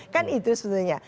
kan itu sebenarnya